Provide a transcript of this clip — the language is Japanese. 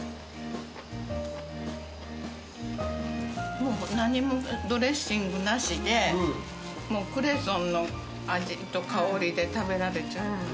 もう何もドレッシングなしでクレソンの味と香りで食べられちゃう。